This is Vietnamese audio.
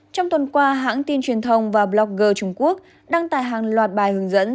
trong tuần qua hãng tin truyền thông và blogger trung quốc đăng tải hàng loạt bài hướng dẫn